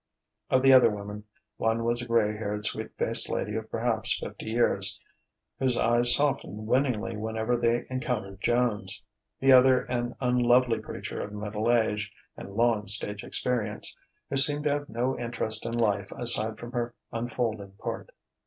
Of the other women, one was a grey haired, sweet faced lady of perhaps fifty years, whose eyes softened winningly whenever they encountered Joan's, the other an unlovely creature of middle age and long stage experience, who seemed to have no interest in life aside from her unfolding part.